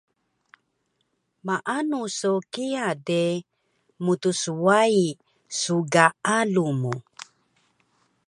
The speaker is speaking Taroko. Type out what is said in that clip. Maanu so kiya de mtswai sgaalu mu